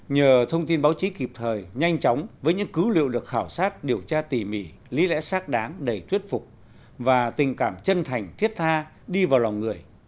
nhờ thông tin báo chí kịp thời nhanh chóng với những cứu liệu được khảo sát điều tra tỉ mỉ lý lẽ xác đáng đầy thuyết phục và tình cảm chân thành thiết tha đi vào lòng người